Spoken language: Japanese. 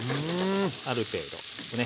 ある程度ね